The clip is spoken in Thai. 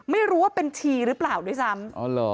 ไม่รู้ว่าเป็นชีหรือเปล่าด้วยซ้ำ